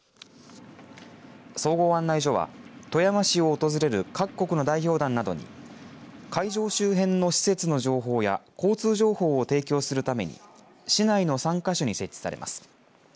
総合案内所は富山市を訪れる各国の代表団などに会場周辺の施設の情報や交通情報を提供するために市内の３か所に設置されます。